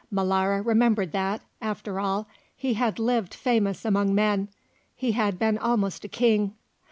Molara remembered that, after all, he had lived famous among men. He had been almost a king.